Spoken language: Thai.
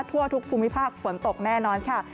ทั่วทุกภูมิภาคฝนตกแน่นอนค่ะ